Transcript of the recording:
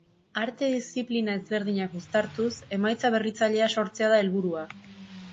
Arte diziplina ezberdinak uztartuz, emaitza berritzailea sortzea da helburua.